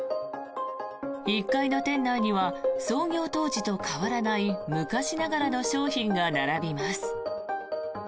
１階の店内には創業当時と変わらない昔ながらの商品が並びます。